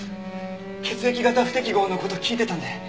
血液型不適合の事聞いてたんで。